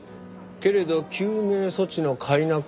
けれど救命措置のかいなく